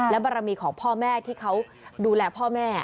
และบารมีของพ่อแม่ที่เขาดูแลพ่อแม่